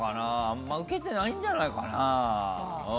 あまりウケてないんじゃないかな。